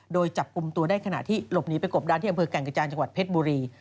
โดยจับกลุ่มตัวได้ขณะที่หลบหนีไปกบด้านที่อำเภอแก่งกระจานจังหวัดเพชรบุรี